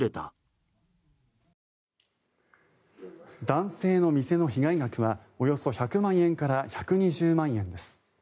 男性の店の被害額はおよそ１００万円から１２０万円です。